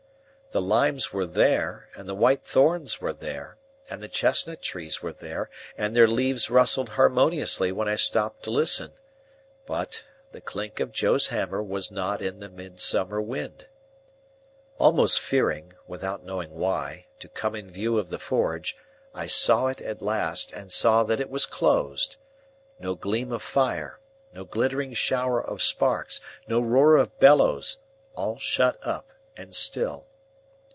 The limes were there, and the white thorns were there, and the chestnut trees were there, and their leaves rustled harmoniously when I stopped to listen; but, the clink of Joe's hammer was not in the midsummer wind. Almost fearing, without knowing why, to come in view of the forge, I saw it at last, and saw that it was closed. No gleam of fire, no glittering shower of sparks, no roar of bellows; all shut up, and still.